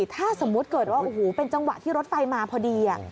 ถ้าสมมุติเกิดว่าโอ้โหเป็นจังหวะที่รถไฟมาพอดี